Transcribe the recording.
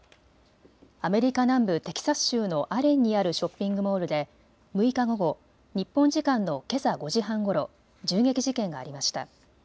アメリカ南部テキサス州のアレンにあるショッピングモールで６日午後、日本時間のけさ５時半ごろ銃撃事件がありました。